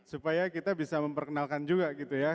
supaya kita bisa memperkenalkan juga gitu ya